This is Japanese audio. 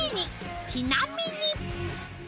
ちなみに